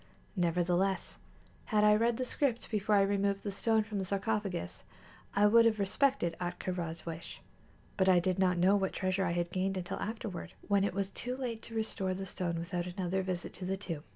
Nevertheless, had I read the script before I removed the stone from the sarcophagus, I would have respected Ahtka Rā's wish; but I did not know what treasure I had gained until afterward, when it was too late to restore the stone without another visit to the tomb.